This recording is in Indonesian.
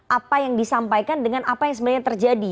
apa yang disampaikan dengan apa yang sebenarnya terjadi